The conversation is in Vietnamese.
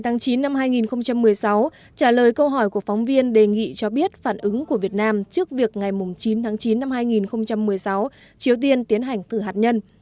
ngày chín hai nghìn một mươi sáu trả lời câu hỏi của phóng viên đề nghị cho biết phản ứng của việt nam trước việc ngày chín tháng chín năm hai nghìn một mươi sáu triều tiên tiến hành thử hạt nhân